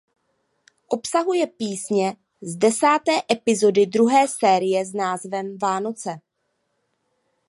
Obsahuje písně z desáté epizody druhé série s názvem "Vánoce".